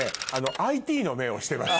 ＩＴの目をしてます。